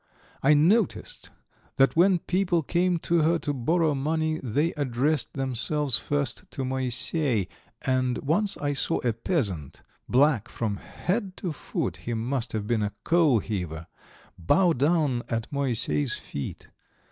I noticed that when people came to her to borrow money they addressed themselves first to Moisey, and once I saw a peasant, black from head to foot he must have been a coalheaver bow down at Moisey's feet.